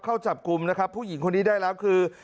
เข้าจับกลุ่มนะครับผู้หญิงคนนี้ได้แล้วคือ